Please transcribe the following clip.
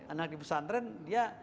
anak di pesan tren dia